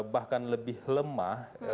bahkan lebih lemah